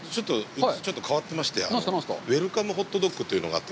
ちょっと変わってまして、ウエルカムホットドッグというのがあって。